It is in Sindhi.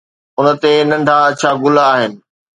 ان تي ننڍا اڇا گل آهن